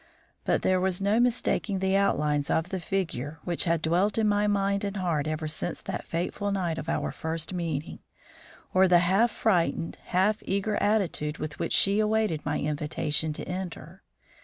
But there was no mistaking the outlines of the figure which had dwelt in my mind and heart ever since the fateful night of our first meeting, or the half frightened, half eager attitude with which she awaited my invitation to enter.